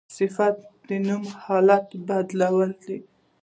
صفت د نوم حالت بدلوي.